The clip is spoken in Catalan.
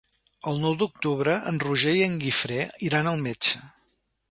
El nou d'octubre en Roger i en Guifré iran al metge.